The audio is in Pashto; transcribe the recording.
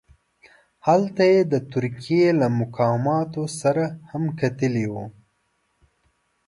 هلته یې د ترکیې له مقاماتو سره هم کتلي وه.